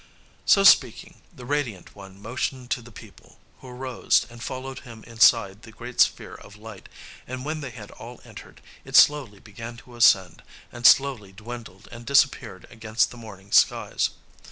So speaking, the radiant one motioned to the people, who arose, and followed him inside the great sphere of light; and when they had all entered, it slowly began to ascend, and slowly dwindled and disappeared against the morning skies.